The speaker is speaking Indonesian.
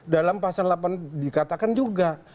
dalam pasal delapan puluh delapan dikatakan juga